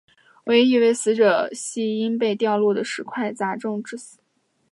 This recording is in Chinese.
唯一一位死者系因被掉落的石块砸中致死。